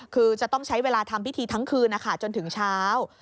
คือจะต้องใช้เวลาทำพิธีทั้งคืนนะคะจนถึงเช้า